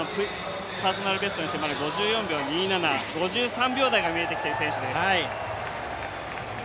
パーソナルベストに迫る５２秒２７、５３秒台が見えてきている選手です。